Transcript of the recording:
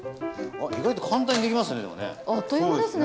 東山：意外と簡単にできますねでもね。